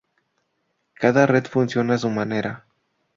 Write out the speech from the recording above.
Cada red funciona a su manera.